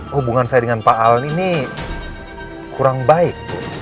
hubungan saya dengan pak al ini kurang baik